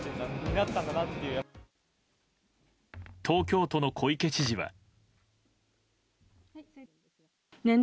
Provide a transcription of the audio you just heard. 東京都の小池知事は。